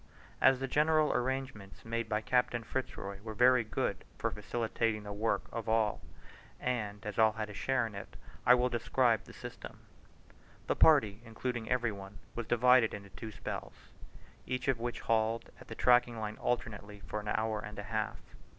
As the general arrangements made by Captain Fitz Roy were very good for facilitating the work of all, and as all had a share in it, I will describe the system. The party including every one, was divided into two spells, each of which hauled at the tracking line alternately for an hour and a half.